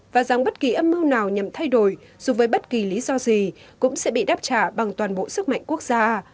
và rằng bất kỳ âm mưu nào nhằm thay đổi dù với bất kỳ lý do gì cũng sẽ bị đáp trả bằng toàn bộ sức mạnh quốc gia